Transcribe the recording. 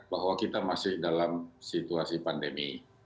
bahwa kita masih dalam situasi pandemi